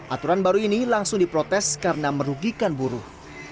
aturan baru ini langsung diprotes karena merugikan buruh